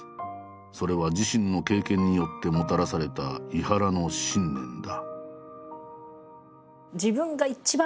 それは自身の経験によってもたらされた井原の信念だ。